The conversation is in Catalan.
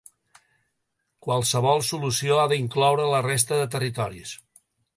Qualsevol solució ha d’incloure la resta de territoris.